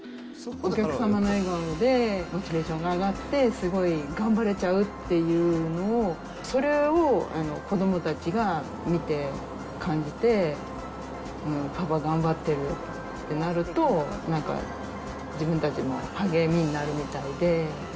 お客様の笑顔でモチベーションが上がって、すごい頑張れちゃうっていうのを、それを子どもたちが見て、感じて、パパ頑張ってるってなると、なんか自分たちも励みになるみたいで。